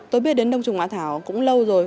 tôi biết đến đông trùng hạ thảo cũng lâu rồi